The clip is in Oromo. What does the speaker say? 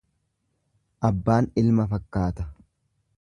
Abbaan ilma fakkaata.